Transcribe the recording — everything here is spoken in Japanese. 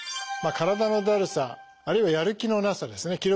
体のだるさあるいはやる気のなさですね